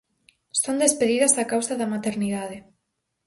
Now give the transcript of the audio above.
Son despedidas a causa da maternidade.